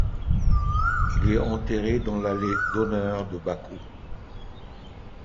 Il est enterré dans l’Allée d’Honneur de Bakou.